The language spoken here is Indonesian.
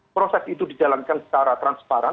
proses itu dijalankan secara transparan